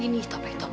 tidak ada foto